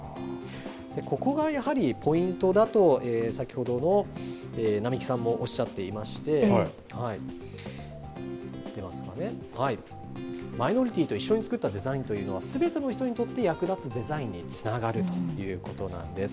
ここがやはりポイントだと、先ほどの並木さんもおっしゃっていまして、出ますかね、マイノリティーと一緒に作ったデザインというのは、すべての人にとって役立つデザインにつながるということなんです。